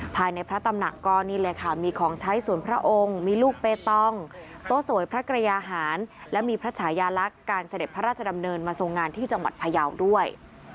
ภายในพระตำหนักก็นี่เลยค่ะมีของใช้สวนพระองค์มีลูกเปตองโต๊ะสวยพระกระยาหารและมีพระชายาลักษณ์การเสด็จพระราชดำเนินมาทรงงานที่จังหวัดพยาวด้วย